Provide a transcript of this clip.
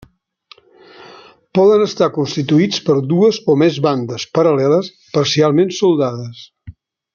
Poden estar constituïts per dues o més bandes paral·leles parcialment soldades.